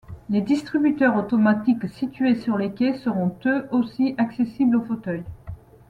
Les distributeurs automatiques situés sur les quais seront eux aussi accessibles aux fauteuils.